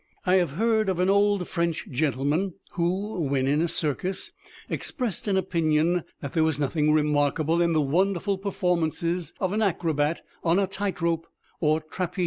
I have heard of an old French gentleman who, when in a circus, expressed an opinion that there was nothing remarkable in the wonderful performances of an acrobat on a tight rope, or trapeze.